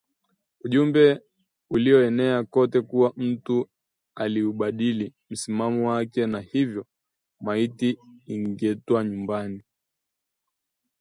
ujumbe ulienea kote kuwa mtu aliubadili msimamo wake na hivyo maiti ingetwa nyumbani